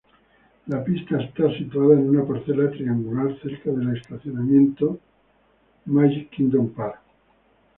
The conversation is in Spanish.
La pista está situada en una parcela triangular cerca del estacionamiento Magic Kingdom Park.